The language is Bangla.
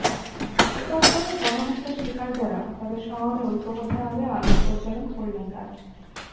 একাত্তরে গণহত্যার শিকার যাঁরা, তাঁদের স্মরণে ঐক্যবদ্ধভাবে আলোক প্রজ্বালন করলেন তাঁরা।